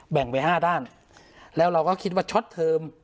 แบ่งไปห้าด้านแล้วเราก็คิดว่าช็อตเทอม